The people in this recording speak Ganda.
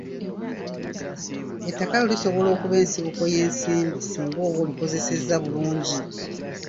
Ettaka lyo lisobola okuba ensibuko y'ensimbi singa oba olikozesezza bulungi.